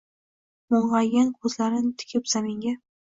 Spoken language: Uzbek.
Mung’aygan ko’zlarin tikib zaminga